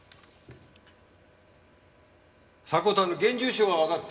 「迫田の現住所がわかった。